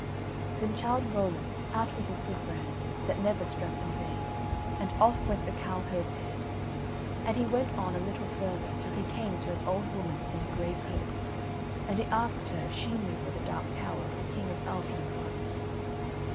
Then Childe Rowland out with his good brand, that never struck in vain, and off went the cow herd's head. And he went on a little further, till he came to an old woman in a grey cloak, and he asked her if she knew where the Dark Tower of the King of Elfland was.